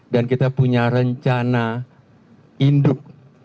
dan kita punya rencana induk